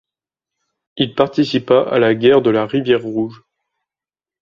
Il participa à la guerre de la rivière Rouge.